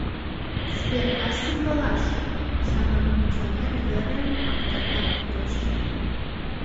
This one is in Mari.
Сберкассым толаш? — самырык милиционер йырем агытанла пӧрдеш.